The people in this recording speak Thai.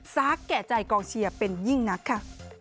แก่ใจกองเชียร์เป็นยิ่งนักค่ะ